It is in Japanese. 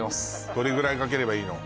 どれぐらいかければいいの？